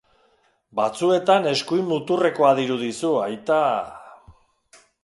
Batzuetan eskuin muturrekoa dirudizu, aita...!